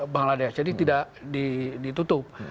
bangladesh jadi tidak ditutup